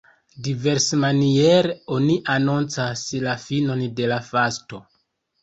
Diversmaniere oni anoncas la finon de la fasto.